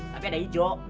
tapi ada hijau